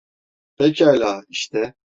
Pekala, işte.